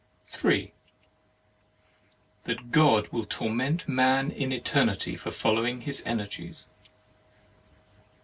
3. That God will torment man in Eternity for following his Energies.